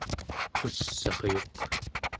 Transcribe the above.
uss'aryuk